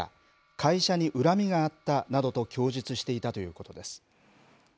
会社に恨みがあったなどと供述していたということです。